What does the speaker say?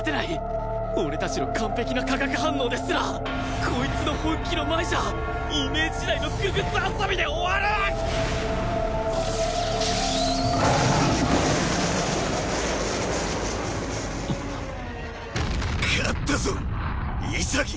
俺たちの完璧な化学反応ですらこいつの本気の前じゃイメージ内の傀儡遊びで終わる勝ったぞ潔！